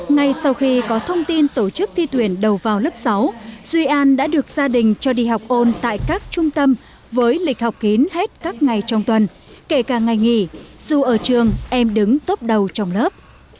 ngay sau khi có thông tin tổ chức thi tuyển đầu vào lớp sáu duy an đã được gia đình cho đi học ôn tại các trung tâm với lịch học kín hết các ngày trong tuần kể cả ngày nghỉ dù ở trường em đứng tốt đầu trong lớp